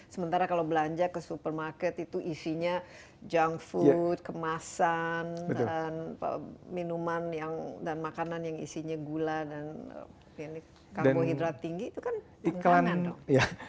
sementara kalau belanja ke supermarket itu isinya junk food kemasan dan minuman dan makanan yang isinya gula dan karbohidrat tinggi itu kan tengklengan dok